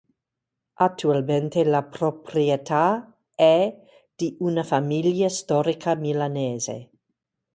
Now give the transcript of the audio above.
Attualmente la proprietà è di una famiglia storica milanese.